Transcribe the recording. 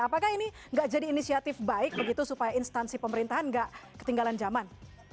apakah ini nggak jadi inisiatif baik begitu supaya instansi pemerintahan nggak ketinggalan zaman